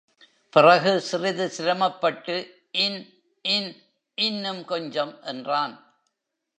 பிறகு சிறிது சிரமப்பட்டு இன் இன் இன்னும் கொஞ்சம்! என்றான்.